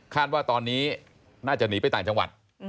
ว่าตอนนี้น่าจะหนีไปต่างจังหวัด